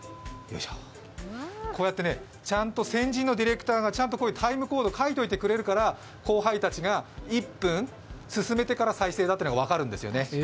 こうやってちゃんと先人のディレクターがタイムコードを書いておいてくれるから後輩たちが１分進めてから再生だというのが分かるんですよね。